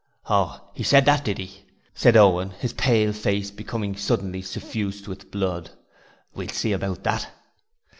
'Oh, he said that, did he?' said Owen, his pale face becoming suddenly suffused with blood. 'We'll see about that.'